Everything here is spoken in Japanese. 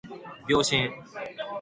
秒針